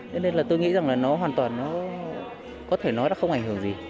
nên là tôi nghĩ rằng là nó hoàn toàn có thể nói là không ảnh hưởng gì